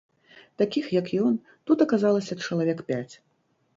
Такіх, як ён, тут аказалася чалавек пяць.